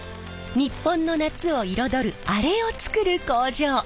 日本の夏を彩るアレを作る工場。